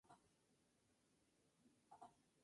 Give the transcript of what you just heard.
Gasta más energía por razones desconocidas.